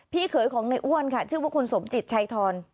เขยของในอ้วนค่ะชื่อว่าคุณสมจิตชัยทร